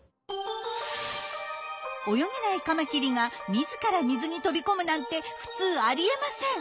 泳げないカマキリが自ら水に飛び込むなんて普通ありえません。